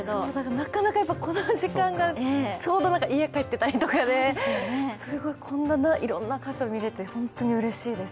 なかなかこの時間が、ちょうど家に帰ってたりとかでこんないろんな箇所が見れて本当にうれしいです。